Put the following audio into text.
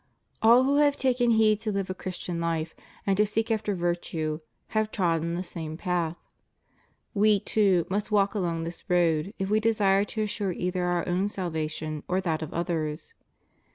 All who have taken heed to live a Christian life and to seek after virtue have trodden the same path. We, too, must walk along this road if we desire to assure either our own salvation or that of others.